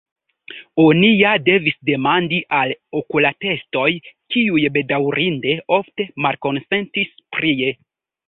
Oni ja devis demandi al okulatestoj kiuj bedaŭrinde ofte malkonsentis prie.